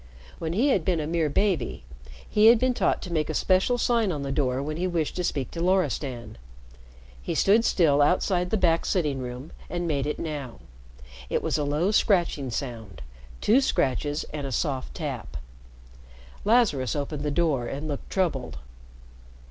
When he had been a mere baby, he had been taught to make a special sign on the door when he wished to speak to Loristan. He stood still outside the back sitting room and made it now. It was a low scratching sound two scratches and a soft tap. Lazarus opened the door and looked troubled.